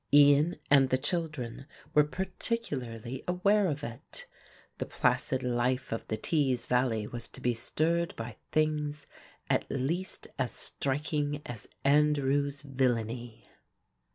Ian and the children were particularly aware of it. The placid life of the Tees Valley was to be stirred by things at least as striking as Andrew's villainy.